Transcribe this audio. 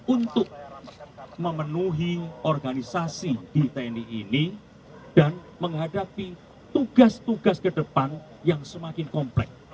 untuk memenuhi organisasi di tni ini dan menghadapi tugas tugas kedepan yang semakin kompleks